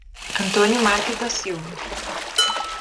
Antônio Marques da Silva